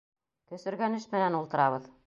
Көсөргәнеш менән ултырабыҙ.